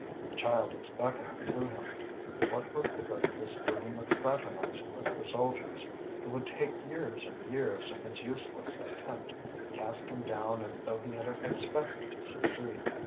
The child was beckoning to him. What was the good of this dream of fraternizing with the soldiers? It would take years and years, and his useless attempt cast him down as though he had expected to succeed.